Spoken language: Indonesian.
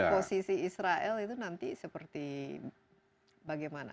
posisi israel itu nanti seperti bagaimana